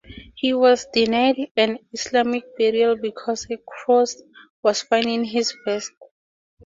He was denied an Islamic burial because a cross was found in his vest.